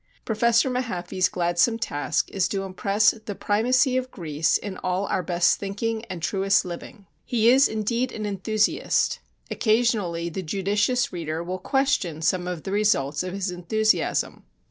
Professor Mahaffy's gladsome task is to impress the primacy of Greece in all our best thinking and truest living. He is indeed an enthusiast. Occasionally the judicious reader will question some of the results of his enthusiasm.